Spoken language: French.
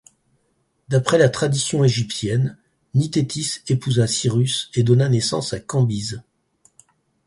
D'après la tradition égyptienne, Nitètis épousa Cyrus et donna naissance à Cambyse.